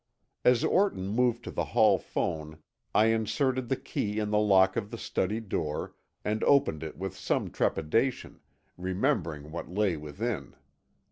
As Orton moved to the hall phone I inserted the key in the lock of the study door and opened it with some trepidation, remembering what lay within.